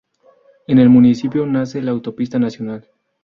En el municipio nace la Autopista Nacional.